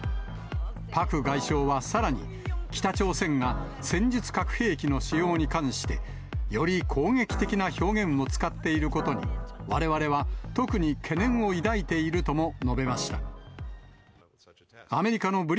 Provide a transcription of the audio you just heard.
パク外相はさらに、北朝鮮が戦術核兵器の使用に関して、より攻撃的な表現を使っていることに、われわれは特に懸念を抱いているとも述べました。